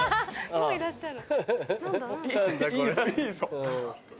もういらっしゃる。